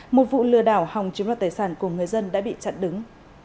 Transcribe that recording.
một vụ lừa đảo hòng chiếm đoạt tài sản của người dân đã bị chặn đứng